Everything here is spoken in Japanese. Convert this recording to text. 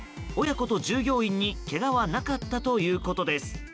親子と従業員にけがはなかったということです。